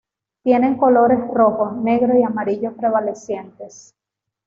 Tienen colores rojo, negro y amarillo prevalecientes.